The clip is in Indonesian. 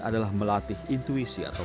adalah melatih intuisi atau